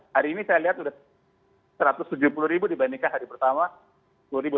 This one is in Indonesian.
hari ini saya lihat sudah satu ratus tujuh puluh ribu dibandingkan hari pertama sepuluh ribu